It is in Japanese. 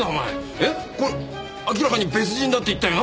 えっこれ明らかに別人だって言ったよな？